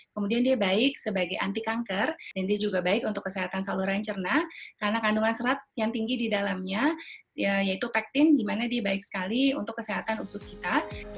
kemudian dia baik sebagai anti kanker dan dia juga baik untuk kesehatan saluran cerna karena kandungan serat yang tinggi di dalamnya yaitu pektin di mana dia baik sekali untuk kesehatan usus kita